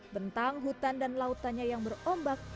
bentang hutan dan lautannya yang berombak